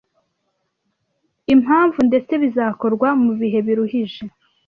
impavu ndetse bizakorwa mu bihe biruhije